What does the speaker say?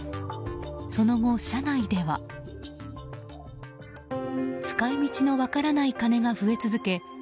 その後、社内では使い道の分からない金が増え続け